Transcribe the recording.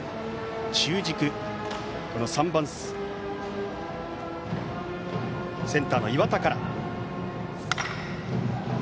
中軸、３番センターの岩田から。